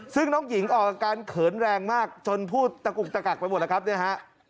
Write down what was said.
ซึ่งน้องหญิงออกอาการเขินแรงมากจนพูดตะกุกตะกักไปหมดแล้วครับเนี่ยฮะ